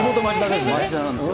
町田なんですよ。